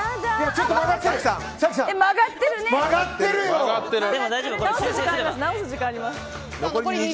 ちょっと曲がってるな。